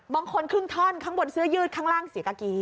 ครึ่งท่อนข้างบนเสื้อยืดข้างล่างเสียตะกี้